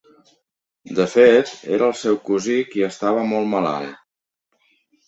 De fet, era el seu cosí qui estava molt malalt.